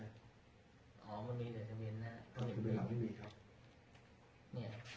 อ๋อมันมีเดี๋ยวจะเปลี่ยนหน้า